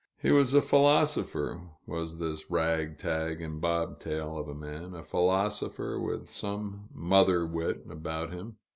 He was a philosopher, was this rag tag and bob tail of a man, a philosopher with some mother wit about him.